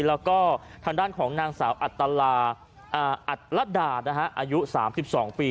แล้วก็ทางด้านของนางสาวอัตลาอัตลดาอายุ๓๒ปี